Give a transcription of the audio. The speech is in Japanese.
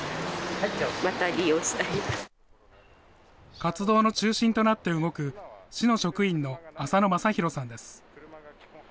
活動の中心となって動く、市の職員の浅野正裕さんです。